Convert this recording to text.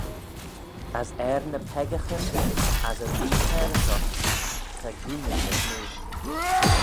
As er ny peccaghyn as y vee-chairys oc cha gooin-ym ny smoo.